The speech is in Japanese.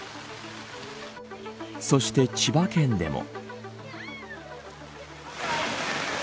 そして、千葉県でも。